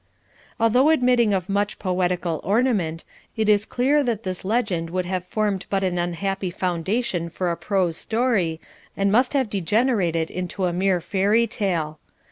Although admitting of much poetical ornament, it is clear that this legend would have formed but an unhappy foundation for a prose story, and must have degenerated into a mere fairy tale.